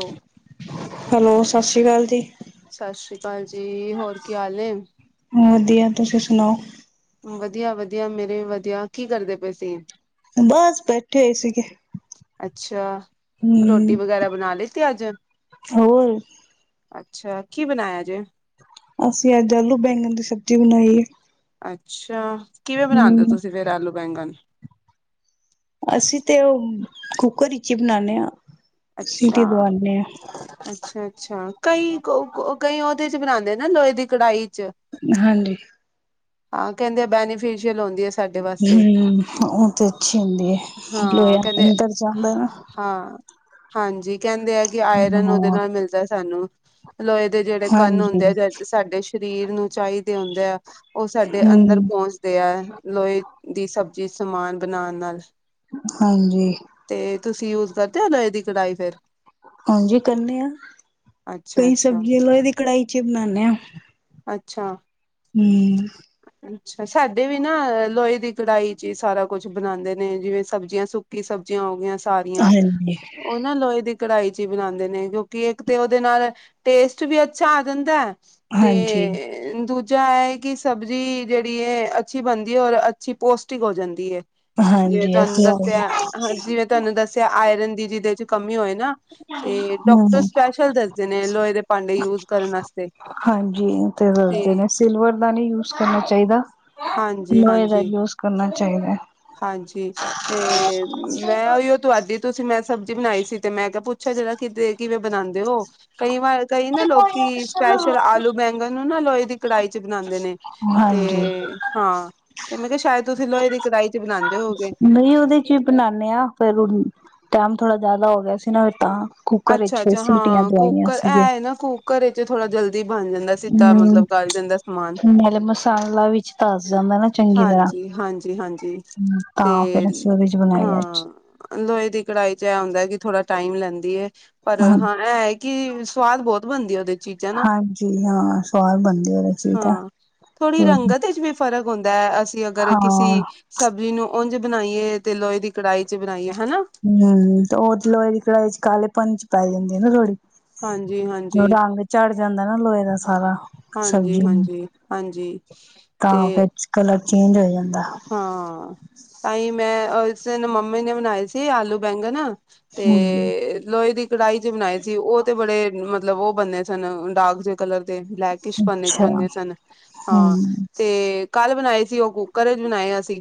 ਹੋ [inaudible] ਹੈਲੋ ਸਤਿ ਸ੍ਰੀ ਅਕਾਲ ਜੀ। ਸਤਿ ਸ੍ਰੀ ਅਕਾਲ ਜੀ ਹੋਰ ਕੀ ਹਾਲ ਏ? ਵਧੀਆ ਤੁਸੀ ਸੁਣਾਓ। ਵਧੀਆ ਵਧੀਆ ਮੇਰੇ ਵਧੀਆ ਕੀ ਕਰਦੇ ਪਏ ਸੀ? ਬਸ ਬੈਠੇ ਹੋਏ ਸੀਗੇ। ਅੱਛਾ ਹਮ ਰੋਟੀ ਵਗੈਰਾ ਬਣਾ ਲਿੱਤੀ ਅੱਜ? ਹੋਰ ਅੱਛਾ ਕੀ ਬਣਾਇਆ ਜੇ? ਅਸੀ ਅੱਜ ਆਲੂ ਬੈਗਣ ਦੀ ਸਬਜੀ ਬਣਾਈ ਏ। ਅੱਛਾ ਕਿਵੇ ਬਣਾਉਂਦੇ ਓ ਤੁਸੀ ਫੇਰ ਆਲੂ ਬੈਂਗਨ? ਅਸੀ ਤੇ ਓ ਕੁੱਕਰ ਵਿੱਚ ਈ ਬਨਾਨੇਆ ਅੱਛਾ ਅੱਛਾ- ਅੱਛਾ ਕਈ ਕ ਕਈ ਓ ਉਦੇ 'ਚ ਬਣਾਉਂਦੇ ਨਾ ਲੋਹੇ ਦੀ ਕੜਾਈ 'ਚ। ਹਾਂਜੀ। ਹਾਂ ਕਹਿੰਦੇ ਆ ਬੈਨੀਫਿਸ਼ੀਅਲ ਹੁੰਦੀ ਹੈ? ਸਾਡੇ ਵਾਸਤੇ ਹੂੰ ਉਹ ਤੇ ਅੱਛੀ ਹੁੰਦੀ ਹੈ ਹਾਂ ਲੋਇਆ ਕਹਿੰਦੇ ਅੰਦਰ ਜਾਂਦਾ ਨਾ। ਹਾਂ। ਹਾਂਜੀ। ਕਹਿੰਦੇ ਆ ਕਿ ਆਇਰਨ ਉਹਦੇ ਹਾਂ ਨਾਲ ਮਿਲਦਾ ਸਾਨੂੰ ਲੋਹੇ ਦੇ ਜਿਹੜੇ ਕੰਨ ਹਾਂਜੀ ਹੁੰਦੇ ਆ ਜਦ ਸਾਡੇ ਸਰੀਰ। ਸਰੀਰ ਨੂੰ ਚਾਹੀਦੇ ਹੁੰਦੇ ਆ ਉਹ ਸਾਡੇ ਅੰਦਰ ਹਮ ਪਹੁੰਚਦੇ ਆ ਲੋਹੇ ਦੀ ਸਭ। ਜਿਸ ਸਮਾਨ ਬਣਾਉਣ ਨਾਲ। ਹਾਂਜੀ। ਤੇ ਤੁਸੀਂ ਯੂਜ ਕਰਦੇ ਹੋ ਲੋਹੇ ਦੀ ਕੜਾਹੀ ਫੇਰ? ਹਾਂਜੀ ਕਰਦੇ ਆ ਅੱਛਾ ਕਈ ਅੱਛਾ ਸਬਜ਼ੀ ਲੋਹੇ ਦੀ ਕੜਾਹੀ 'ਚ ਬਣਾਦੇ ਆ। ਅੱਛਾ। ਹੂੰ। ਅੱਛਾ ਸਾਡੇ ਵੀ ਨਾ ਲੋਹੇ ਦੀ ਕੜਾਈ ਚ' ਸਾਰਾ ਕੁਛ ਬਣਾਉਂਦੇ ਨੇ ਜਿਵੇਂ ਸਬਜ਼ੀਆਂ, ਸੁੱਕੀ ਸਬਜ਼ੀਆਂ ਹੋ ਗਈਆਂ ਹੈ। ਸਾਰੀਆਂ ਹਾਂਜੀ ਉਹਨਾਂ ਲੋਹੇ ਦੀ। ਕੜਾਹੀ 'ਚ ਹੀ ਬਣਾਉਂਦੇ ਨੇ ਕਿਉਂਕਿ ਇੱਕ ਤੇ ਉਹਦੇ ਨਾਲ ਟੇਸਟ ਵੀ ਅੱਛਾ ਆ ਜਾਂਦਾ ਹੈ। ਹਾਂਜੀ ਤੇ ਦੂਜਾ ਹੈ? ਕਿ ਸਬਜ਼ੀ ਜਿਹੜੀ ਅੱਛੀ ਬਣਦੀ ਹੈ ਔਰ ਅੱਛੀ ਪੋਸ਼ਟਿਕ ਹੋ ਜਾਂਦੀ ਹੈ। ਜਿਵੇਂ ਹਾਂਜੀ ਤੁਹਾਨੂੰ ਅਸੀਂ ਦੱਸਿਆ ਹਾਂ ਜਿਵੇਂ ਤੁਹਾਨੂੰ ਦੱਸਿਆ ਆਇਰਨ ਦੀ ਜਿਹਦੇ ਚ ਕਮੀ ਹੋਏ। ਨਾ ਤੇ ਡਾਕਟਰ ਹਮ ਸਪੈਸ਼ਲ ਦੱਸਦੇ ਨੇ ਲੋਹੇ ਦੇ ਭਾਂਡੇ ਯੂਜ ਕਰਨ ਵਾਸਤੇ। ਹਾਂਜੀ ਤੇ ਦੱਸਦੇ ਨੇ ਸਿਲਵਰ ਦਾ ਨਹੀਂ ਯੂਜ ਕਰਨਾ ਚਾਹੀਦਾ ਹਾਂਜੀ ਲੋਏ ਦਾ ਹਾਂਜੀ ਯੂਸ ਕਰਨਾ। ਚਾਹੀਦਾ ਹਾਂਜੀ ਤੇ ਮੈਂ ਉਹੀ ਤੁਹਾਡੇ। ਤੁਸੀਂ ਮੈਂ ਸਬਜ਼ੀ ਬਣਾਈ ਸੀ ਤੇ ਮੈਂ ਕਿਹਾ ਪੁੱਛਾ ਜ਼ਰਾ ਕਿਤੇ ਕਿਵੇਂ ਬਣਾਉਂਦੇ ਹੋ? ਕਈ ਵਾਰ ਕਈ ਨਾ ਲੋਕੀ ਸਪੈਸ਼ਲ ਆਲੂ ਬੈਂਗਣ ਨੂੰ ਨਾ ਲੋਏ ਦੀ ਕੜਾਈ 'ਚ ਬਣਾਉਂਦੇ ਨੇ? ਹਾਂਜੀ ਤੇ ਹਾਂ ਤੇ ਮੈਂ ਕਿਹਾ ਸ਼ਾਇਦ ਤੁਸੀਂ ਲੋਹੇ ਦੀ ਕੜਾਈ? ਨਹੀਂ ਉਹਦੇ 'ਚ ਵੀ ਬਣਾਨੇ ਆ ਫੇਰ ਉਹ ਟਾਈਮ ਥੋੜਾ ਜਿਆਦਾ ਹੋ ਗਿਆ ਸੀ ਨਾ ਫੇਰ ਤਾਂ। ਕੁੱਕਰ ਵਿੱਚ ਫਿਰ ਅੱਛਾ-ਅੱਛਾ ਸੀਟੀਆਂ ਹਾਂ ਦਵਾਈਆਂ ਕੁੱਕਰ ਸੀਗੇ ਹੈ ਨਾ ਕੁੱਕਰ ਵਿੱਚ ਥੋੜਾ ਜਲਦੀ। ਬਣ ਜਾਂਦਾ ਸਿੱਧਾ ਹਮ ਮਤਲਬ ਗਲ ਜਾਂਦਾ ਸਮਾਨ। ਨਾਲੇ ਮਸਾਲਾ ਵਿੱਚ ਧਸ ਜਾਂਦਾ ਨਾ ਚੰਗੀ ਤਰ੍ਹਾਂ ਹਾਂਜੀ-ਹਾਂਜੀ-ਹਾਂਜੀ ਤੇ। ਤਾਂ ਫਿਰ ਅਸੀਂ ਉਹਦੇ ਚ ਬਣਾਈ ਅੱਜ ਹਾਂ ਲੋਹੇ ਦੀ ਕੜਾਹੀ 'ਚ ਇਹ ਹੁੰਦਾ ਕਿ ਥੋੜਾ। ਟਾਈਮ ਲੈਂਦੀ ਹੈ ਪਰ ਹਾਂ ਇਹ ਹੈ ਕਿ ਸਵਾਦ ਬਹੁਤ ਬਣਦੀ ਹੈ ਉਹਦੀ। ਚੀਜ਼ਾਂ ਨਾ ਹਾਂਜੀ ਹਾਂ ਸਵਾਦ ਬਣਦੀ ਉਹਦੇ ਚ ਤਾਂ ਹਾਂ ਥੋੜ੍ਹੀ ਰੰਗਤ ਚ ਵੀ ਫ਼ਰਕ। ਹੁੰਦਾ ਹੈ ਅਸੀਂ ਅਗਰ ਕਿਸੇ ਹਾਂ ਸਬਜ਼ੀ ਨੂੰ ਉਂਝ ਬਣਾਈਏ ਤੇ ਲੋਹੇ ਦੀ ਕੜਾਹੀ 'ਚ ਬਣਾਈਏ ਹਨਾ। ਹੂੰ ਤੇ ਉਹ ਲੋਹੇ ਦੀ ਕੜਾਹੀ ਚ ਕਾਲੇ ਪਣ 'ਚ ਪੈ ਜਾਂਦੀ ਹੈ ਨਾ ਥੋੜੀ। ਹਾਂਜੀ ਹਾਂਜੀ ਰੰਗ ਚੜ ਜਾਂਦਾ ਨਾ ਲੋਹੇ ਦਾ। ਸਾਰਾ ਹਾਂਜੀ ਸਬਜ਼ੀ ਨੂੰ ਹਾਂਜੀ ਹਾਂਜੀ ਤਾਂ ਤੇ ਫੇਰ ਕਲਰ ਚੇਂਜ ਹੋ ਜਾਂਦਾ। ਹਾਂ ਤਾਂਹੀ ਮੈਂ ਇਸ ਦਿਨ ਮੰਮੀ ਨੇ ਬਣਾਏ ਸੀ ਆਲੂ ਬੈਂਗਣ। ਹੂੰ। ਤੇ ਲੋਹੇ ਦੀ ਕੜਾਹੀ 'ਚ ਬਣਾਏ ਸੀ ਉਹ ਤੇ ਬੜੇ ਮਤਲਬ। ਮਤਲਬ ਉਹ ਬਣੇ ਸਨ ਦਾਗ਼ ਜੇ। ਕਲਰ ਦੇ ਬਲੈਕ ਕਿਸ ਪੰੰਨੇ 'ਚ ਅੱਛਾ ਬੰਨਣੇ ਸਨ ਹਾਂ ਹੂੰ ਤੇ ਕੱਲ੍ਹ ਬਣਾਏ ਸੀ ਉਹ? ਘਰੇ ਬਣਾਏ ਅਸੀਂ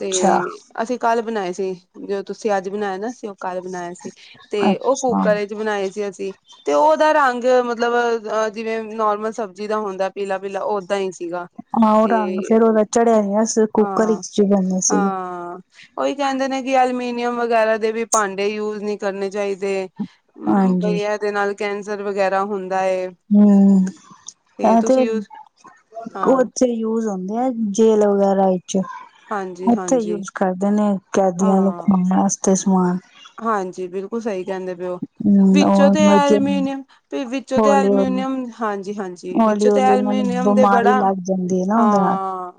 ਤੇ ਅਸੀਂ ਕੱਲ ਬਣਾਏ ਸੀ। ਤੇ ਜੋ ਤੁਸੀਂ ਅੱਜ ਬਣਾਇਆ ਨਾ ਅਸੀਂ ਉਹ। ਕੱਲ ਬਣਾਇਆ ਸੀ ਤੇ ਉਹ ਅੱਛਾ। ਕੁੱਕਰ ਵਿੱਚ ਬਣਾਏ ਸੀ ਅਸੀਂ ਤੇ ਉਹ ਉਹਦਾ ਰੰਗ ਮਤਲਬ। ਮਤਲਬ ਅ ਜਿਵੇਂ ਨੋਰਮਲ ਸਬਜ਼ੀ ਦਾ ਹੁੰਦਾ ਪੀਲਾ-ਪੀਲਾ ਓਦਾਂ ਹੀ। ਸੀਗਾ ਹਾਂ ਉਹ ਤੇ ਰੰਗ ਫੇਰ ਉਹਦਾ ਚੜਿਆ ਗਈਆ ਸੀ, ਜਦੋਂ ਕੁੱਕਰ ਹਾਂ ਵਿੱਚ ਪਾਉਂਦੇ ਸੀਗੇ। ਹਾਂ ਉਹੀ ਕਹਿੰਦੇ ਨੇ ਕਿ ਐਲੂਮੀਨੀਅਮ ਵਗੈਰਾ ਦੇ ਵੀ ਭਾਂਡੇ ਯੂਜ ਨਹੀਂ ਕਰਨੇ ਚਾਹੀਦੇ। ਹੂੰ ਹਾਂਜੀ। ਬਈਆ ਇਹਦੇ ਨਾਲ ਕੈਂਸਰ ਵਗੈਰਾ ਹੁੰਦਾ। ਏ ਹੂੰ ਐ ਤੇ ਤੁਸੀਂ ਯੂਜ ਹਾਂ ਉੱਥੇ ਯੂਜ ਹੁੰਦਾ। ਹੁੰਦਾ ਹੈ ਜੇਲ ਵਗੈਰਾ ਲਈ। ਹਾਂਜੀ ਉੱਥੇ, ਹਾਂਜੀ ਯੂਜ ਕਰਦੇ ਨੇ ਹਾਂ ਕੈਦੀਆਂ ਨੂੰ ਖਵਾਉਣ ਵਾਸਤੇ ਸਮਾਨ। ਹਾਂਜੀ ਬਿਲਕੁਲ ਸਹੀ ਕਹਿੰਦੇ ਪਏਓ। ਹੂੰ ਵਿੱਚੋ ਤੇ ਔਰ ਅਲਮੀਨੀਅਮ ਵਿੱਚੋਂ ਤੇ ਹੌਲੀ-ਹੌਲੀ, ਅਲਮੀਨੀਅਮ ਹਾਂਜੀ ਹਾਂਜੀ ਵਿੱਚੋ ਤੇ ਹੌਲੀ-ਹੌਲੀ ਉਹਨਾਂ ਅਲਮਨੀ ਨੂੰ ਨਿਯਮ ਦੇ ਬਿਮਾਰੀ ਬੜਾ ਲੱਗ ਜਾਂਦੀ ਹੈ ਨਾ ਉਹਦੇ ਨਾਲ। ਹਾਂ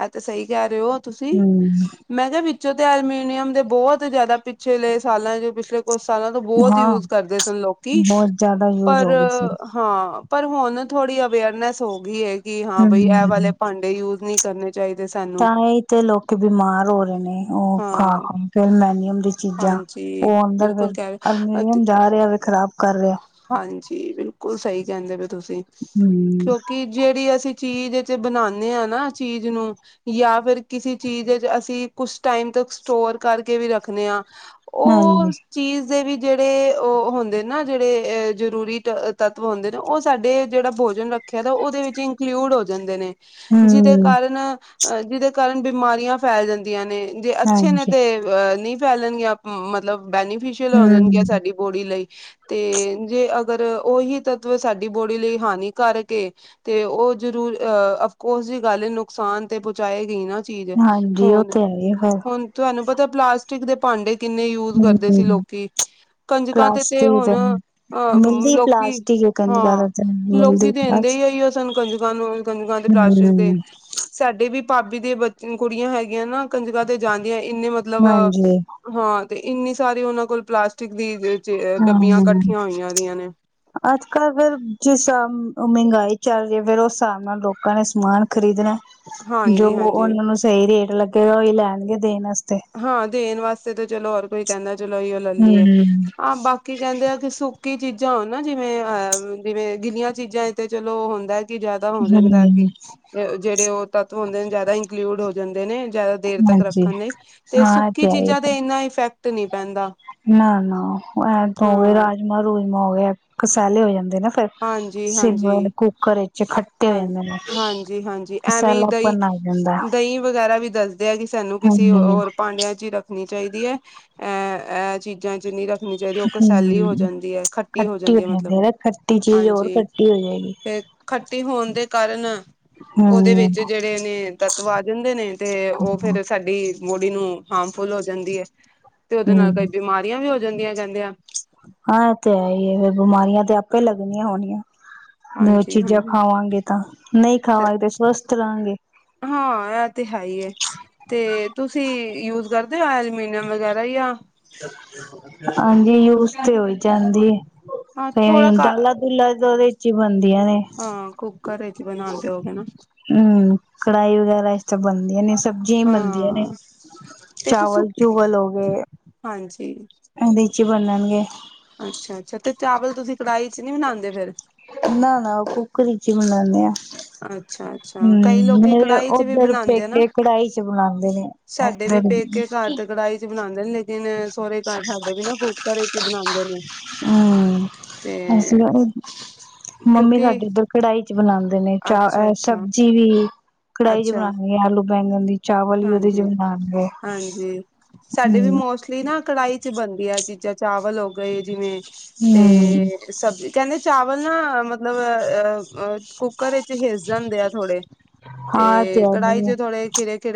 ਆਹ ਤੇ ਸਹੀ ਕਹਿ ਰਹੇ ਹੋ ਤੁਸੀਂ ਹੂੰ, ਮੈਂ ਕਿਹਾ? ਪੋਂ ਤੇ ਅਲਮੀਨੀਅਮ ਦੇ ਬਹੁਤ ਜ਼ਿਆਦਾ ਪਿੱਛਲੇ ਸਾਲਾਂ ਚ ਪਿਛਲੇ ਕੁਛ ਸਾਲਾਂ ਤੋਂ ਬਹੁਤ ਹਾਂ ਯੂਜ ਕਰਦੇ ਸਨ। ਲੋਕੀ ਬਹੁਤ ਜ਼ਿਆਦਾ ਯੂਜ ਪਰ ਹੋ ਗਈ ਸੀ। ਹਾਂ ਪਰ ਹੁਣ ਥੋੜੀ ਅਵੇਅਰਨੈਸ ਹੋ ਗਈ ਏ। ਹੂੰ, ਕਰਨੇ ਚਾਹੀਦੇ ਸਾਨੂੰ ਤਾਂਹੀ ਤਾ ਲੋਕੀ ਬਿਮਾਰ ਹੋ ਰਹੇ ਨੇ। ਉਹ ਖਾ ਹਾਂ ਫੇਰ ਮੈ ਨ ਚੀਜ਼ਾਂ ਹਾਂਜੀ ਉਹ ਅੰਦਰ ਬਿਲਕੁਲ ਫਿਰ ਕਹਿ ਰਹੇ ਅਤੇ ਅਲਮੀਨੀਅਮ ਜਾ ਰਿਹਾ ਫੇਰ ਖ਼ਰਾਬ ਕਰ ਰਿਹਾ। ਹਾਂਜੀ ਬਿਲਕੁਲ ਸਹੀ ਕਹਿੰਦੇ ਪਏ ਤੁਸੀਂ ਹੂੰ, ਕਿਉਂਕਿ ਜਿਹੜੀ ਅਸੀਂ ਚੀਜ਼ ਚ ਬਣਾਨੇ ਆ ਨਾ ਚੀਜ਼ ਨੂੰ ਜਾਂ ਫਿਰ ਕਿਸੇ ਚੀਜ਼ ਚ ਅਸੀਂ ਕੁਛ ਟਾਈਮ ਤੱਕ ਸਟੋਰ ਕਰਕੇ ਵੀ ਰੱਖਦੇ ਹਾ, ਹਾਂਜੀ, ਉਹ ਚੀਜ਼ ਦੇ ਵਿੱਚ ਜਿਹੜੇ ਉਹ ਹੁੰਦੇ ਨਾ ਜਿਹੜੇ ਅਹ ਜ਼ਰੂਰੀ ਤੱਤਵ ਹੁੰਦੇ ਨੇ ਉਹ ਸਾਡੇ ਜਿਹੜਾ ਭੋਜਨ ਰੱਖ ਰੱਖਿਆ ਤਾਂ ਉਹਦੇ ਵਿੱਚ ਇੰਕਲੂਡ ਹੋ ਜਾਂਦੇ ਨੇ। ਜਿਹਦੇ ਹੂੰ, ਕਾਰਨ ਅ ਜਿਹਦੇ ਕਾਰਨ ਬਿਮਾਰੀਆਂ ਫੈਲ ਜਾਂਦੀਆਂ ਨੇ। ਜੇ ਅੱਛੇ ਨੇ ਹਾਂਜੀ, ਤੇ ਅਹ ਨਹੀਂ ਫੈਲਣਗੀਆਂ ਮਤਲਬ ਬੈਨੀਫਿਸ਼ਅਲ ਹੋ ਜਾਣਗੀਆਂ ਹੂੰ। ਸਾਡੀ ਬੋਡੀ ਲਈ। ਤੇ ਜੇ ਅਗਰ ਉਹੀ ਤੱਤਵ ਸਾਡੀ ਬੋੜੀ ਲਈ ਹਾਨੀਕਾਰਕ ਏ ਤੇ ਉਹ ਜ਼ਰੂਰ, ਅਹ ਅਫਕੋਰਸ ਦੀ ਗੱਲ ਨੁਕਸਾਨ ਤੇ ਪਹੁੰਚਾਏ ਗਾ ਹੀ ਨਾ। ਚੀਜ਼ ਹਾਂਜੀ, ਉਹ ਹੁਣ ਤੇ ਹੈ ਹੀ ਫਿਰ ਹੁਣ ਤੁਹਾਨੂੰ ਪਤਾ ਪਲਾਸਟਿਕ ਦੇ ਭਾਂਡੇ ਕਿੰਨੇ ਯੂਜ ਕਰਦੇ ਹੂੰ, ਸੀ, ਲੋਕੀ ਕੰਜਕਾਂ ਤੇ ਤੇ ਪਲਾਸਟਿਕ ਹੁਣ ਅਹ ਮਿਲਦੀ ਲੋਕੀ ਪਲਾਸਟਿਕ ਕਹਿੰਦੀ ਹਾਂ ਜ਼ਿਆਦਾਤਰ ਲੋਕੀ ਮਿਲਦੀ ਦੇਿੰਦੇ ਪਲਾਸ ਹੀ ਆਈ ਉਹ ਸਾਨੂੰ ਕੰਜਕਾਂ ਨੂੰ ਕੰੰਜਕਾਂ ਦੇ ਪਲਾਸਟਿਕ ਦੇ ਹੂੰ, ਸਾਡੇ ਵੀ ਭਾਬੀ ਦੇ ਬ ਕੁੜੀਆਂ ਹੈਗੀਆਂ ਨਾ ਕੰਜਕ ਤੇ ਜਾਂਦੀਆਂ ਇੰਨੇ ਮਤਲਬ ਹਾਂਜੀ। ਹਾਂ ਤੇ ਇੰਨੀ ਸਾਰੀ ਉਹਨਾਂ ਕੋਲ ਪਲਾਸਟਿਕ ਦੀ ਡੱਬੀਆਂ ਹਾਂ, ਇਕੱਠੀਆਂ ਹੋਈਆਂ ਦੀਆਂ ਨੇ ਅੱਜ-ਕੱਲ ਅਗਰ ਜਿਸ ਮਹਿੰਗਾਈ ਚੱਲ, ਜੇ ਫੇਿਰ ਉਸ ਹਿਸਾਬ ਨਾਲ ਲੋਕਾਂ ਨੇ ਸਮਾਨ ਖ਼ਰੀਦਣਾ ਜੋ ਹਾਂਜੀ ਹਾਂਜੀ ਉਹਨਾਂ ਨੂੰ ਸਹੀ ਰੇਟ ਲੱਗੇਗਾ ਹੀ ਲੈਣਗੇ ਦੇਣ ਵਸ ਹਾਂ, ਦੇਣ ਵਾਸਤੇ ਤਾਂ ਚਲੋ ਹੋਰ ਕੋਈ ਕਹਿੰਦਾ। ਚਲੋ ਇਹੋ ਹੀ ਲੈ ਲਈਏ, ਹੂੰ-ਹੂੰ, ਹਾਂ ਬਾਕੀ ਕਹਿੰਦੇ ਆ ਕਿ ਸੁ ਸੁਖੀ ਚੀਜ਼ਾਂ ਹੋਨਨਾ ਜਿਵੇਂ ਅਹ ਜਿਵੇਂ ਗਿੱਲੀਆਂ ਚੀਜ਼ਾਂ ਤੇ ਚਲੋ ਹੁੰਦਾ। ਕੀ ਜਿਆਦਾ ਹੋ ਜਾਂਦਾ, ਹਾਂਜੀ। ਜਿਹੜੇ ਉਹ ਤੱਤਵ ਹੁੰਦੇ ਨੇ ਜਿਆਦਾ ਇੰਕਲੂਡ ਹੋ ਜਾਂਦੇ ਨੇ। ਜ਼ਿਆਦਾ ਦੇਰ ਤੱਕ ਰੱਖਣ ਲਈ, ਤੇ ਹਾਂ ਇਹ ਸੁੱਕੀ ਹੈ ਹੀ ਚੀਜ਼ਾਂ ਤੇ ਇੰਨਾ ਇਫੈਕਟ ਨਹੀਂ ਪੈਂਦਾ। ਨਾ-ਨਾ ਐਂ ਤੋਂ ਹੋ ਗਏ ਹਾਂ ਰਾਜਮਾਂ-ਰੂਜਮਾ ਹੋ ਗਏ ਕਸਹਿਲੇ ਹੋ ਜਾਂਦੇ। ਫੇਿਰ ਹਾਂਜੀ ਹਾਂਜੀ ਸਿਲਵਰ ਕੁੱਕਰ ਚ। ਹਾਂ, ਹਾਂਜੀ-ਹਾਂਜੀ ਐਵੇਂ ਹੀ ਦਹੀਂ ਕਸੈਲਾਪਨ ਆ ਜਾਂਦਾ। ਦਹੀਂ ਵਗੈਰਾ ਵੀ ਦੱਸਦੇ ਆ, ਕਿ ਸਾਨੂੰ ਕਿਸੇ ਹੂੰ-ਹੂੰ ਹੋਰ ਭਾਂਡਿਆਂ ਚ ਹੀ ਰੱਖਣੀ ਚਾਹੀਦੀ ਹੈ ਅਹ ਚੀਜ਼ਾਂ ਚ ਨੀ ਰੱਖ ਚਾਹੀਦੀ ਉਹ ਕਸੈਲੀ ਹੋ ਜਾਂਦੀ ਹੈ ਖੱਟੀ ਹੋ ਜਾਂਦੀ ਹੈ। ਮਤਲਬ ਹਾਂਜੀ ਫਰ ਖਰਚਾ ਹੋਣ ਦੇ ਕਾਰਨ ਉਹਦੇ ਵਿੱਚ ਜਿਹੜੇ ਨੇ ਤੱਤਵ ਆ ਜਾਂਦੇ, ਨੇ ਤੇ ਉਹ ਫੇਿਰ ਸਾਡੀ ਬੋਡੀ ਨੂੰ ਹਾਰਮਫੁਲ ਹੋ ਜਾਂਦੀ ਹੈ, ਤੇ ਉਹਦੇ ਨਾਲ ਕਈ ਬਿਮਾਰੀਆਂ ਵੀ ਹੋ ਜਾਂਦੀਆਂ ਕਹਿੰਦੇ ਆ। ਹਾਂ, ਇਹ ਤੇ ਹੈ ਹੀ ਹੈ ਫਿਰ ਬਿਮਾਰੀਆਂ ਤੇ ਆਪੇ ਲੱਗਣੀਆਂ ਹੋਣੀਆਂ। ਨਹੀਂ ਉਹ ਹਾਂਜੀ ਚੀਜ਼ਾਂ ਹਾਂਜੀ ਖਾਵਾਂਗੇ, ਤਾਂ ਨਹੀਂ ਖਾਵਾਂਗੇ ਤੇ ਸਵਸਥ ਰਹਾਂਗੇ। ਹਾਂ, ਇਹ ਤੇ ਹੈ ਹੀ ਹੈ ਤੇ ਤੁਸੀਂ ਯੂਜ ਕਰਦੇ ਹੋ, ਐਲਮੀਨੀਅਮ ਵਗੈਰਾ ਜਾਂ ਹਾਂਜੀ, ਯੂਜ ਤੇ ਹੋਈ। ਜਾਂਦੀ ਹਾਂ ਥੋੜਾ ਕਈਣ ਘ ਦਾਲਾ- ਦੁਲਾ ਤੇ ਉਹਦੇ ਚ ਹੀ ਬਣ ਹੁੰਦੀਆਂ ਨੇ। ਹਾਂ ਕੁੱਕਰ ਵਿੱਚ ਬਣਾਉਂਦੇ ਹੋਗੇ ਨਾ ਹੂੰ, ਕੜਾਹੀ ਵਗੈਰਾ ਸਭ ਬਣਦੀਆਂ ਨੇ ਸਬਜ਼ੀਆਂ ਈ ਬਣਦੀਆਂ ਨੇ ਹਾਂ ਦੇਖੋ ਸੁ ਚਾਵਲ ਚੂਵਲ ਹੋਗੇ। ਹਾਂਜੀ ਉਹਦੇਈ ਚ ਬਨਣਗੇ। ਅੱਛਾ-ਅੱਛਾ, ਤੇ ਚਾਵਲ ਤੁਸੀਂ ਕੜਾਹੀ ਚ ਨੀ ਬਣਾਦੇ ਫੇਰ? ਨਾ-ਨਾ, ਉਹ ਕੁੱਕਰ ਚ ਈ ਮਣਾਨੇ ਆ। ਅੱਛਾ ਅੱਛਾ ਹੂੰ ਕਈ ਲੋਕੀ ਮੇਰੇ ਕੜਾਹੀ ਚ ਵੀ ਉੱਧਰ ਬਣਾਉਂਦੇ ਆ ਨਾ ਪੇਕੇ ਕੜਾਹੀ ਚ ਬਣਾਦੇ ਨੇ। ਸਾਡੇ ਵੀ ਹਮ ਪੇਕੇ ਘਰ ਤੇ ਕੜਾਹੀ ਚ ਬਣਾਦੇ ਨੇ ਲੇ ਦਿਨ ਸਹੁਰੇ ਘਰ ਸਾਡੇ ਵੀ ਨਾ ਕੁਕਰ ਇਚ ਈ ਬਨਾਦੇ ਨੇ। ਹੂੰ, ਇਸ ਤੇ ਵਾਰ ਮੰਮੀ ਕਿਉਂਕਿ ਸਾਡੇ ਉੱਧਰ ਕੜਾਈ ਚ ਬਨਾਦੇ ਨੇ ਚਾ ਅੱਛਾ ਅ ਅੱਛਾ ਸਬਜ਼ੀ ਵੀ ਕੜਾਹੀ ਚ ਅੱਛਾ ਬਣਾਉਣਗੇ ਆਲੂ ਬੈਗਣ ਦੀ ਚਾਵਲ ਵੀ ਉਹਦੇ ਚ ਹਾਂਜੀ ਬਣਾਣਗੇ ਹਾਂਜੀ ਸਾਡੇ ਵੀ ਮੋਸਟਲੀ ਨਾ ਕੜਾਹੀ ਚ ਬਣਦੀ ਐ ਚੀਜ਼ਾਂ ਚਾਵਲ ਹੋ ਗਏ ਜਿਵੇਂ ਹਮ ਤੇ ਸਬਜ਼ ਕਹਿੰਦੇ ਚਾਵਲ ਨਾ ਮਤਲਬ ਅ ਅ ਕੁੱਕਰ ਵਿੱਚ ਹਿਸ ਜਾਂਦੇ ਆ ਥੋੜ੍ਹੇ ਹਾਂ, ਤਿਆ ਹੂਹੀਂ ਹੈ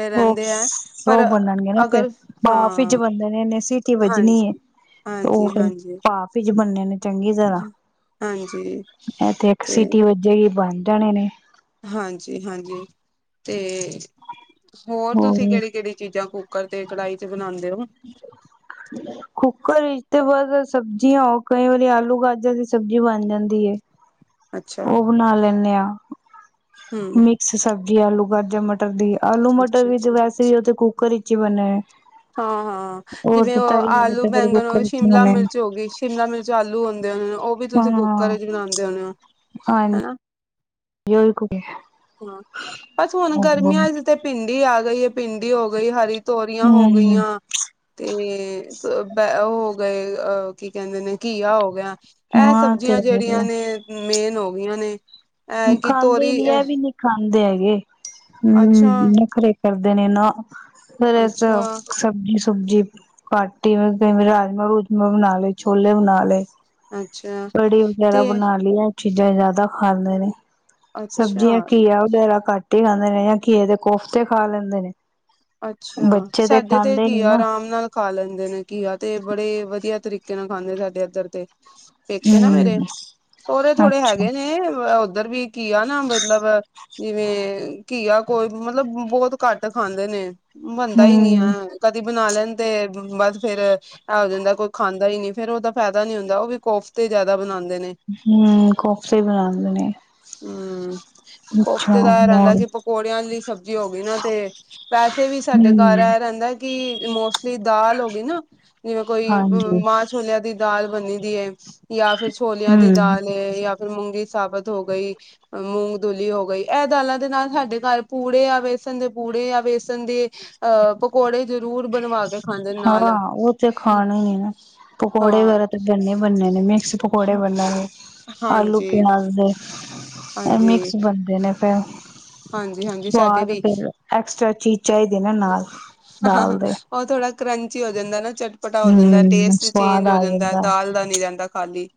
ਰਹਿੰਦੇ ਹੈ ਪਰ ਉਹ-ਉਹ ਬਣਣਗੇ ਨਾ ਫਿਰਰ ਅਗਰ ਬਾਫ ਚ ਹਾਂ ਬ ਨੇਨੇ ਸੀਟੀ ਵੱਜਣੀ ਏ ਹਾਂਜੀ ਤੇ ਉਹ ਹਾਂਜੀ ਫਿਰ ਹਾਂਜੀ ਭਾਫ ਤ ਚ ਬਣਨੇ ਨੇ ਜਰਾ ਹਾਂਜੀ ਇਹਥੇ ਇੱਕ ਸਿਟੀ ਵਜੇ ਗੀ ਬਣ ਜਾਣੇ ਨੇ। ਹਾਂਜੀ-ਹਾਂਜੀ ਤੇ ਹੋਰ ਤੁਸੀਂ ਕਿਹੜੀ-ਕਿਹੜੀ ਚੀਜ਼ਾਂ ਕੁੱਕਰ ਤੇ ਕੜਾਹੀ ਚ ਬਣਾਂਦੇ ਔ? ਕਈ ਹਫਤੇ ਬਾਦ ਸਬਜ਼ੀਆਂ ਹੋ ਕਈ ਵਾਰੀ ਆਲੂ ਗਾਜਰ ਦੀ ਸਬਜ਼ੀ ਬਣ ਜਾਂਦੀ ਏ। ਅੱਛਾ ਉਹ ਬਣਾ ਲੈਂਨੇ ਆਂ, ਹਮ ਮਿਕਸ ਸਬਜ਼ੀ ਆਲੂ ਗਾਜਰ ਮਟ ਮਟਰ ਦੀ ਆਲੂ ਮਟਰ ਅੱਛਾ ਵੀ ਤੇ ਅੱਛਾ ਵੈਸੇ ਵੀ ਉਹਥ ਕੁੱਕਰ ਵਿਚ ਚ ਹੀ ਬਣੇ। ਹਾਂ-ਹਾਂ, ਜਿਵੇਂ ਤੇ ਉਹ ਤਰੀ ਵਾਲੇ ਆਲੂ ਤੇ ਫਿਰ ਬੈਂਗਣ, ਕੁੱਕਰ ਵਿੱਚ ਹੀ ਸ਼ਿਮਲਾ ਬਣੇ ਨੇ ਮਿਰਚ ਹੋ ਗਈ ਸ਼ਿਮਲਾ ਮਿਰਚ ਆਲੂ ਹੁੰਦੇ ਉਹ ਵੀ ਤੁਸੀਂ ਕੁੱਕਰ ਚ ਬਣਾਦੇ ਹੋਣੇ ਹੋ ਹਨ। ਹਨਾ [unintelligible] ਬਸ ਹੁਣ ਹੂੰ ਗਰਮੀਆਂ ਚ ਤੇ ਭਿੰਡੀ ਆ ਗਈਏ ਪਿੰਡੀ ਹੋ ਗਈ ਏ ਹਰੀ ਤੋਰੀਆਂ ਹੋ ਗਈਆਂ ਤੇ ਤ ਬ ਉਹ ਗਏ ਅ ਕੀ ਕਹਿੰਦੇ ਨੇ ਘੀਆ ਹੋ ਗਿਆ ਇਹ ਹਾਂ ਤੇ ਸਬਜ਼ੀਆਂ ਜਿਹੜੀਆਂ ਹੈਗਾ। ਨੇ ਮੇਨ ਹੋ ਹੋਇਆਂ ਨੇ। ਇਹ ਕਿ ਖਾਂਦੇ ਈ ਤੋਰੀ ਨੀ ਅ, ਐ ਵੀ ਨੀ ਖਾਂਦੇ ਹੈਗੇ, ਹੂੰ ਅੱਛਾ, ਨੱਖਰੇ ਕਰਦੇ ਨੇ ਨਾ ਬਰਸ ਅੱਛਾ, ਸਬਜੀ ਸੁ ਸਬਜੀ ਕਾਟੀ [unintelligible] ਰਾਜਮਾ ਰੂਜਮਾ ਬਨਾ ਲੇ, ਛੋਲੇ ਬਨਾ ਲਏ। ਅੱਛਾ ਕੜੀ ਵਗੈਰਾ ਤੇ ਬਨਾ ਲਿਆ। ਚੀਜ਼ਾਂ ਜ਼ਾਂਦਾ ਖਾਂਦੇ ਨੇ, ਅੱਛਾ, ਸਬਜ਼ੀਆਂ ਘੀਆ ਵਗੈਰਾ ਘੱਟ ਈ ਖਾਂਦੇ ਨੇ ਜਾਂ ਘੀਏ ਦੇ ਕੋਫਤੇ ਖਾ ਲੈਂਦੇ ਨੇ। ਅੱਛਾ, ਬੱਚੇ ਸਾਡੇ ਤੇ ਖਾਂਦੇ ਨੀ ਕੀਆ ਨਾ ਰਾਮ ਨਾਲ ਖਾ ਲੈਂਦੇ ਨੇ ਕੀਆ ਤੇ ਬੜੇ ਵਧੀਆ ਤਰੀ ਕੇ ਨਾਲ ਖਾਂਦੇ ਸਾਡੇ ਇਧਰ ਤੇ, ਪੇਕੇ ਨਾ ਮੇਰੇ, ਹਮ ਸੋਰੇ ਥੋੜੇ ਅੱਛਾ ਹੈਗੇ ਨੇ ਅ ਉੱਧਰ ਵੀ ਕੀਆ ਨਾ ਮਤਲਬ, ਜਿਵੇਂ ਕੀਆ ਕੋਈ ਮਤਲਬ ਬੋਤ ਘੱਟ ਖਾਂਦੇ ਨੇ, ਬਨਦਾ ਈ ਨੀ ਐ ਹਮ ਕਦੀ ਬਨਾ ਲੈਨਦੇ, ਬ ਬਸ ਫੇਰ, ਇਹ ਹੋ ਜਾਂਦਾ ਕੋਈ ਖਾਂਦਾ ਈ ਨੀ, ਫੇਰ ਉਹਦਾ ਫਾਇਦਾ ਨੀ ਹੁੰਦਾ ਉਹ ਵੀ ਕੋਫਤੇ ਜ਼ਾਦਾ ਬਨਾਨ ਹੂੰ, ਕੋਫਤੇ ਬਨਾਦੇ ਨੇ। ਹੂੰ, ਅੱਛਾ ਕੋਫਤੇ ਦਾ ਇਹ ਰੇਂਦਾ ਹੋਰ ਕਿ ਪਕੌੜਿਆਂ ਲਈ ਸਬਜ਼ੀ ਹੋ ਗਈ ਨਾ ਤੇ ਵੈਸੇ ਵੀ ਸਾਡੇ ਘਰ ਹਮ ਇਹ ਰੇਂਦਾ ਕਿ ਮੋਸਟਲੀ ਦਾਲ ਹੋ ਗਈ ਨਾ ਜਿਵੇਂ ਕੋਈ ਅਮ ਹਾਂਜੀ ਮਾਂ ਛੋਲਿਆਂ ਦੀ ਦਾਲ ਬੰਨੀ ਦੀ ਏ। ਯਾ ਫੇਰ ਛੋਲਿਆਂ ਦੀ ਹਮ ਦਾਲ ਏ ਯਾ ਫੇਰ ਮੂੰਗੀ ਸਾਬਤ ਹੋ ਗਈ, ਅ ਮੂੰਗ ਦੁਲੀ ਹੋ ਗਈ ਇਹ ਦਾਲਾਂ ਦੇ ਨਾਲ ਸਾਡੇ ਘਰ ਪੂੜੇ ਆ ਵੇਸਣ ਦੇ ਪੂ ਪੂੜੇ ਯਾ ਵੇਸਨ ਦੇ ਅਹ ਪਕੌੜੇ ਜਰੂਰ ਬਨਵਾ ਹਾਂ ਉਹ ਤੇ ਖਾਨੇ ਈ ਨਾ, ਪਕੌੜੇ ਹਾਂ ਵਗੈਰਾ ਤਾਂ ਬੰਨੇ-ਬੰਨੇ ਨੇ ਮਿਕਸ ਪਕੌੜੇ ਬਨੇ ਨੇ, ਆਲੂ ਹਾਂਜੀ ਪਿਆਜ ਦੇ, ਇਹ ਹਾਂਜੀ ਮਿਕਸ ਬਨਦੇ ਨੇ ਫੇਰ। ਹਾਂਜੀ ਹਾਂਜੀ ਸਾਡੇ ਵੀ ਸਵਾਦ ਫੇਰ ਐਕਸਟਰਾ ਚੀ ਚਾਹੀਦੇ ਨੇ ਨਾਲ, ਹਾਂ ਦਾਲ ਦੇ। ਉਹ ਥੋੜਾ ਕਰੰਚੀ ਹੋ ਜਾਂਦਾ ਨਾ। ਚਟਪਟਾ ਹੋ ਜਾਂਦਾ ਹਮ ਟੇਸਟ ਸਵਾਦ ਚੇਂਜ ਹੋ ਆ ਜਾਂਦਾ ਦਾਲ ਦਾ ਨੀ ਰਹਿੰਦਾ ਖਾਲੀ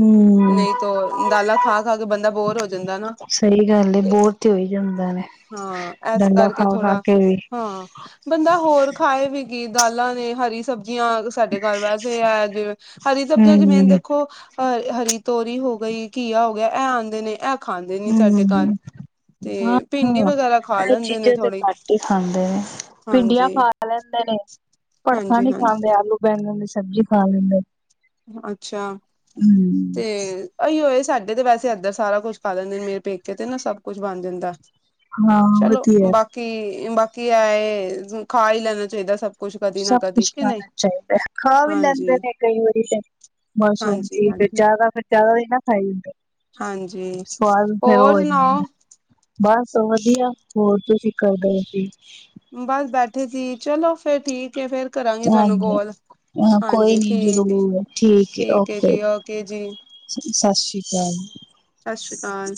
ਹਮ ਨਹੀਂ ਤੋਂ ਦਾਲਾਂ ਖਾ ਖਾ ਕੇ ਬੰਦਾ ਬੋਰ ਦਿੰਦਾ ਨਾ ਸਹੀ ਗੱਲ ਏ, ਤੇ ਬੋਰ ਹੋਈ ਜਾਂਦਾ ਨੇ ਹਾਂ ਏਸ ਡੰਡਾ ਕਰਕੇ ਖਾ ਖਾ ਥੋੜਾ ਕੇ ਵੀ ਹਾਂ ਬੰਦਾ ਹੋਰ ਖਾਏ ਵੀ ਕੀ ਦਾਲਾਂ ਨੇ ਹਰੀ ਸਬ ਜੀਆਂ ਸਾਡੇ ਘਰ ਵੈਸੇ ਹੈ ਜਿਵੇਂ ਹਰੀ ਸਬਜ਼ੀਆਂ ਚ ਮੇਨ ਹਮ ਦੇਖੋ ਹ ਹਰੀ ਤੋਰੀ ਹੋ ਗਈ, ਕੀਆ ਹੋ ਗਿਆ, ਇਹ ਆਂਦੇ ਨੇ ਐ ਹੂੰ, ਹਾਂ ਭਿੰਡੀ ਵਗੈਰਾ ਖਾ ਇਹ ਲੈਂਦੇ ਨੇ ਚੀਜ਼ਾਂ ਤੇ ਥੋੜੀ ਘੱਟ ਈ ਖਾ ਲੈਂਦੇ ਨੇ, ਭਿੰਡੀਆਂ ਹਾਂਜੀ ਖਾ ਲੈਂਦੇ ਨੇ, ਭੜਥਾ ਹਾਂਜੀ ਨੀ ਹਾਂਜੀ ਖਾਂਦੇ ਆਲੂ ਬੈਂਗਣ ਦੀ ਸ ਸਬਜ਼ੀ ਖਾ ਲੈਂਦੇ ਅੱਛਾ, ਹੂੰ। ਤੇ ਅਈਓਏ ਸਾ ਤੇ ਤੇ ਵੈਸੇ ਇੱਦਰ ਸਾਰਾ ਕੁਛ ਖਾ ਲਿੰਦੇ ਨੇ ਮੇਰੇ ਪੇਕੇ ਤੇ ਨਾ ਸਭ ਕੁੱਛ ਬਣ ਜਾਂਦਾ ਹਾਂ ਚਲੋ ਵਧੀਆ ਬਾਕੀ, ਬਾਕੀ ਐਏ ਖਾ ਈ ਲੈਨਾ ਚਾਹੀਦਾ ਸਭ ਕੁਛ ਕਦੀ ਨਾ ਸਭ ਕਦੀ ਕੁਛ ਕਿ ਨਹੀਂ ਖਾਨਾ ਚਾਹੀਦਾਏ, ਖਾ ਵੀ ਲੈਂਦੇ ਹਾਂਜੀ ਨੇ ਕਈ ਵਾਰੀ। ਮਾਸੂਮ ਹਾਂਜੀ ਜੀ ਫੇਰ ਹਾਂਜੀ ਜਾਦਾ ਫੇਰ ਜਾਦਾ ਵੀ ਨਾ ਖਾਈ ਹਲੇ ਹਾਂਜੀ ਸਵਾਦ ਫੇਰ ਉਹ ਹੋਰ ਹੋ ਜਾਂਦਾ। ਸੁਣਾਓ ਬਸ ਵਧੀਆ ਹੋਰ ਤੁਸੀਂ ਕਰਦੇ ਹੋ ਸੀ। ਬਸ ਬੈਠੇ ਸੀ ਚਲੋ ਫੇਰ ਠੀਕ ਐ, ਫੇਰ ਕਰਾਂਗੀ ਤੁਹਾਨੂੰ ਹਾਂਜੀ ਕੋਲ। ਹਾਂ ਕੋਈ ਹਾਂਜੀ ਨੀ ਠੀਕ ਹੈ ਜਰੂਰ, ਠੀਕ ਐ, ਹੈ ਓਕੇ। ਜੀ ਓਕੇ ਜੀ ਸਸ ਸ੍ਰੀ ਕਾਲ। ਸਸ ਸ੍ਰੀ ਕਾਲ।